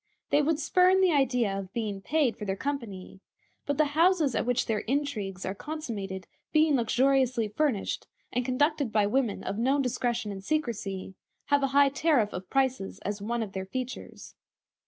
They would spurn the idea of being paid for their company; but the houses at which their intrigues are consummated being luxuriously furnished, and conducted by women of known discretion and secrecy, have a high tariff of prices as one of their features.